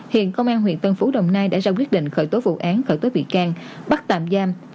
hiện công an huyện tân phú đồng nai đã ra quyết định khởi tố vụ án khởi tố bị can bắt tạm giam